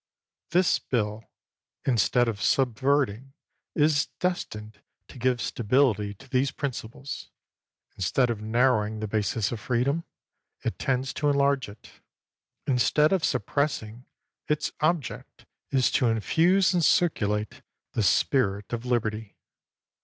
This bill, instead of subverting, is destined to give stability to these principles ; in stead of narrowing the basis of freedom, it tends to enlarge it; instead of suppressing, its object is to infuse and circulate the spirit of liberty.